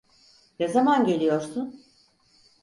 Ne zaman geliyorsun?